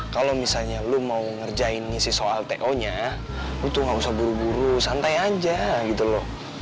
kalau misalnya lo mau ngerjain sih soal teonya lo tuh gak usah buru buru santai aja gitu loh